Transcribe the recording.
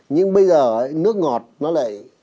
nhưng bây giờ nước ngọt nó lại